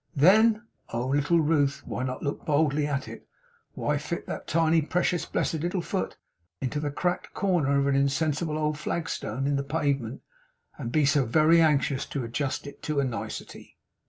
Then, oh, little Ruth, why not look boldly at it! Why fit that tiny, precious, blessed little foot into the cracked corner of an insensible old flagstone in the pavement; and be so very anxious to adjust it to a nicety!